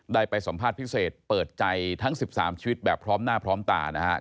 ได้ไปสัมภาษณ์พิเศษเปิดใจทั้ง๑๓ชีวิตแบบพร้อมหน้าพร้อมตานะครับ